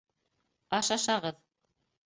Аш ашағыҙ!